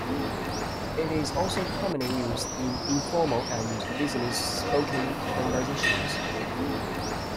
It is also commonly used in informal and business spoken conversations.